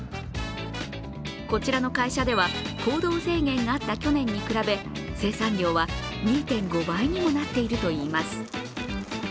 こちらの会社では行動制限があった去年に比べ生産量は２．５倍にもなっているといいます。